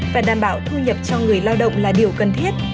và đảm bảo thu nhập cho người lao động là điều cần thiết